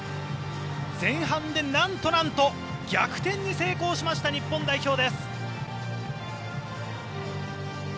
前半でなんとなんと逆転に成功しました日本代表です。